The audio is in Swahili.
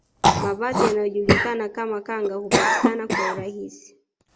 Mavazi yanayojulikana kama kanga hupatikana kwa urahisi